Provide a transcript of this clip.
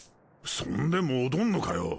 そんで戻んのかよ？